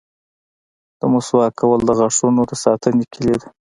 • د مسواک کول د غاښونو د ساتنې کلي ده.